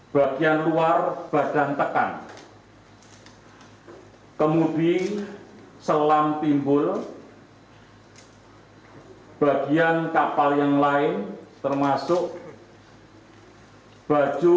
bagian luar badan tekan kemudian selam timbul bagian kapal yang lain termasuk baju